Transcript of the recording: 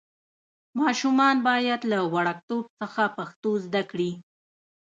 ماشومان باید له وړکتوب څخه پښتو زده کړي.